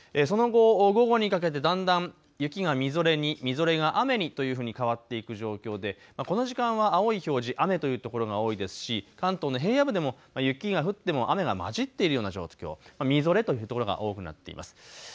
その後、午後にかけてだんだん雪がみぞれに、みぞれが雨にというふうに変わっていく状況でこの時間は青い表示、雨という所が多いですし関東の平野部でも雪が降っても雨が交じっているような状況、みぞれというところが多くなっています。